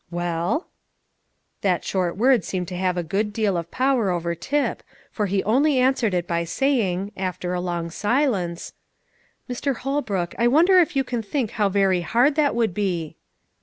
"Well?" That short word seemed to have a good deal of power over Tip, for he only answered it by saying, after a long silence, "Mr. Holbrook, I wonder if you can think how very hard that would be?"